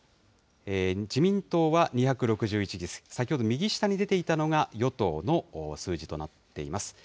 自民党は２６１議席、先ほど右下に出ていたのが、与党の数字となっています。